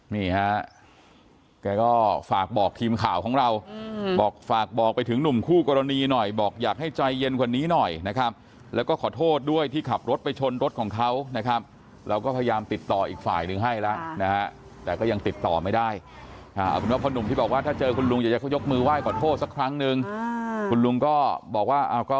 นี่ฮะแกก็ฝากบอกทีมข่าวของเราบอกฝากบอกไปถึงหนุ่มคู่กรณีหน่อยบอกอยากให้ใจเย็นกว่านี้หน่อยนะครับแล้วก็ขอโทษด้วยที่ขับรถไปชนรถของเขานะครับเราก็พยายามติดต่ออีกฝ่ายหนึ่งให้แล้วนะฮะแต่ก็ยังติดต่อไม่ได้เอาเป็นว่าพ่อหนุ่มที่บอกว่าถ้าเจอคุณลุงอยากจะเขายกมือไหว้ขอโทษสักครั้งนึงคุณลุงก็บอกว่าเอาก็